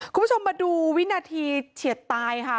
คุณผู้ชมมาดูวินาทีเฉียดตายค่ะ